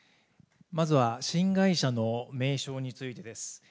まずは、新会社の名称についてです。